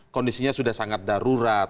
kondisinya sudah sangat darurat